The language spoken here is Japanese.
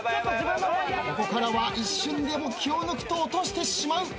ここからは一瞬でも気を抜くと落としてしまう。